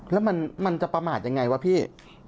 แล้วมันจะประมาทยังไงวะพี่